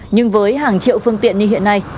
nhưng với hàng triệu phương tiện như hiện nay